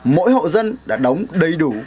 mỗi hộ dân đã đóng đầy đủ